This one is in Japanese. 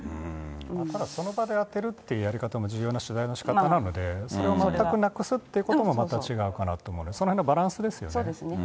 ただその場で当てるというやり方も重要な取材のしかたなので、それを全くなくすっていうことも違うかなって思うので、そのへんそうですね。